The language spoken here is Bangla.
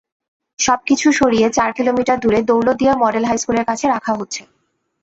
সবকিছু সরিয়ে চার কিলোমিটার দূরে দৌলতদিয়া মডেল হাইস্কুলের কাছে রাখা হচ্ছে।